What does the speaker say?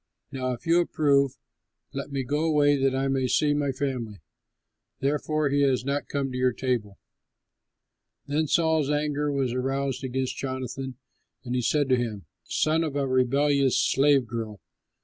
Now if you approve, let me go away that I may see my family.' Therefore, he has not come to your table." Then Saul's anger was aroused against Jonathan, and he said to him, "Son of a rebellious slave girl!